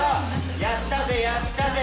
やったぜ、やったぜ！